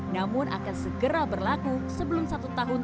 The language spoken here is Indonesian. namun akan segera berlaku sebelum satu tahun